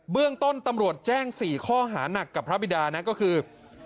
เรื่องต้นตำรวจแจ้ง๔ข้อหานักกับพระบิดานะก็คือ